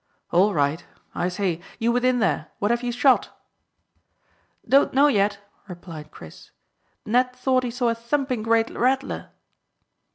"All right. I say, you within there, what have you shot?" "Don't know yet," replied Chris. "Ned thought he saw a thumping great rattler."